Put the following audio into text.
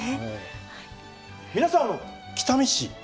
皆さん北見市？